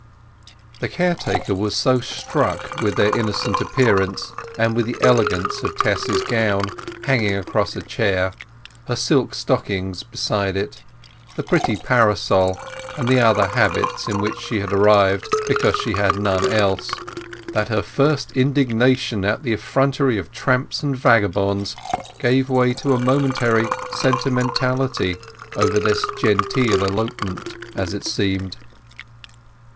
The caretaker was so struck with their innocent appearance, and with the elegance of Tess's gown hanging across a chair, her silk stockings beside it, the pretty parasol, and the other habits in which she had arrived because she had none else, that her first indignation at the effrontery of tramps and vagabonds gave way to a momentary sentimentality over this genteel elopement, as it seemed.